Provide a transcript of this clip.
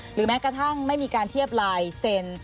แม้กระทั่งไม่มีการเทียบลายเซ็นต์